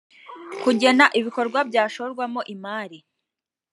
kugena ibikorwa byashorwamo imari